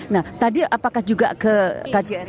nah tadi apakah juga ke kjri